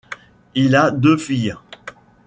Il a deux filles.